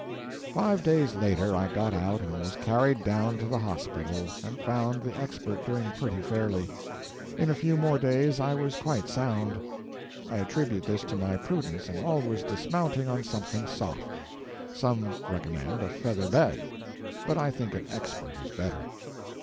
Five days later I got out and was carried down to the hospital, and found the Expert doing pretty fairly. In a few more days I was quite sound. I attribute this to my prudence in always dismounting on something soft. Some recommend a feather bed, but I think an Expert is better.